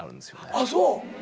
あっそう？